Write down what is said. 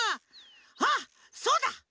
あっそうだ！